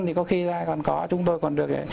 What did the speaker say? thì có khi ai còn có chúng tôi còn được